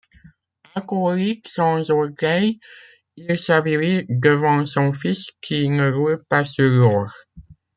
Alcoolique, sans orgueil, il s’avilit devant son fils qui ne roule pas sur l’or.